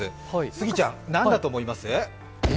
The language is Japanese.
杉ちゃん、何だと思います？